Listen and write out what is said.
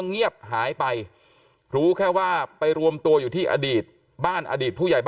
เงียบหายไปรู้แค่ว่าไปรวมตัวอยู่ที่อดีตบ้านอดีตผู้ใหญ่บ้าน